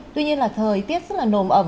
tuy nhiên là thời tiết rất là nồm ẩm